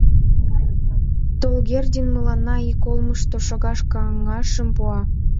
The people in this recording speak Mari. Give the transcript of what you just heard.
Толгердин мыланна ик олмышто шогаш каҥашым пуа.